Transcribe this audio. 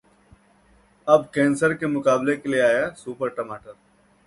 अब कैंसर से मुकाबले के लिए आया 'सुपर टमाटर'